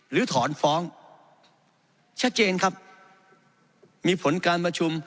หรือถอนฟ้องชัดเจนครับมีผลการประชุม